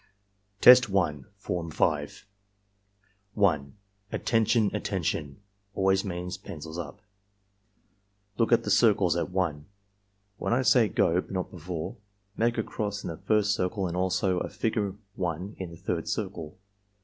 Test 1, Form 5 1. " Attention !' Attention ' always means ' Pencils up.' Look at the circles at L When I say 'go' but not before, make a cross in the first circle and also a figure 1 in the third circle.